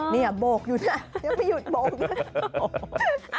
นี่โบกอยู่นะยังไม่หยุดโบกเลย